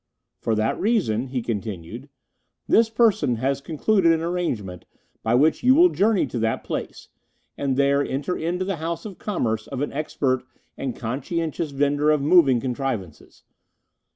'For that reason,' he continued, 'this person has concluded an arrangement by which you will journey to that place, and there enter into the house of commerce of an expert and conscientious vendor of moving contrivances.